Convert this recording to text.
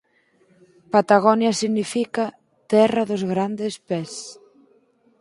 Patagonia significa «Terra dos grandes pés».